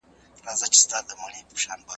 نوي کارونه تجربه کړئ او مه وېرېږئ.